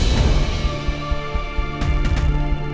tidak ada yang bisa dipercaya